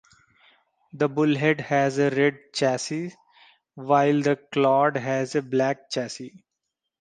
The Bullhead has a red chassis, while the Clod has a black chassis.